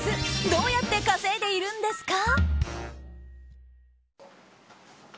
どうやって稼いでいるんですか？